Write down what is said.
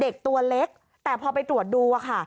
ตัวเล็กแต่พอไปตรวจดูค่ะ